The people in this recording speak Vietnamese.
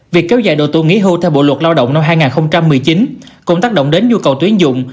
việc kéo dài độ tuổi nghỉ hưu theo bộ luật lao động năm hai nghìn một mươi chín cũng tác động đến nhu cầu tuyến dụng